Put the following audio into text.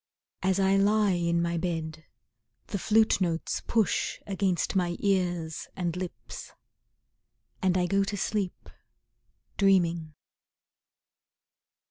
As I lie in my bed The flute notes push against my ears and lips, And I go to sleep, dreaming.